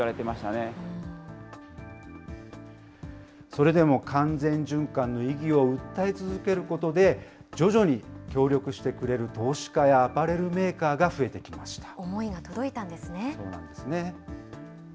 それでも完全循環の意義を訴え続けることで、徐々に協力してくれる投資家やアパレルメーカーが増えてきました。